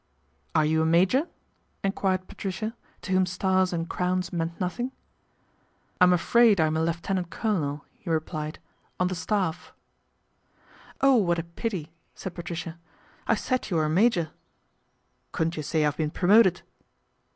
" Are you a major ?" enquired Patricia, to whom stars and crowns meant nothing. " I'm afraid I'm a lieutenant colonel," he replied, " on the Staff." " Oh ! what a pity," said Patricia, " I said you were a major." " Couldn't you say I've been promoted